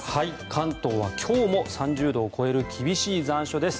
関東は今日も３０度を超える厳しい残暑です。